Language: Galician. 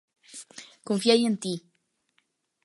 Confiei en ti.